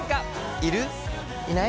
いない？